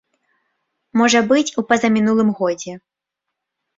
Можа быць, у пазамінулым годзе.